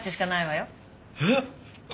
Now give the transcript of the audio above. えっ？